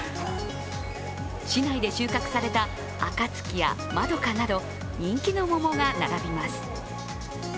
市内で収穫されたあかつきやまどかなど、人気の桃が並びます。